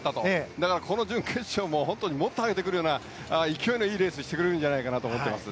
だから準決勝ももっと上げてくるような勢いのいいレースをしてくれるんじゃないかと思っています。